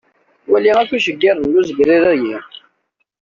Wali akk iceggiren n uzegrir-agi.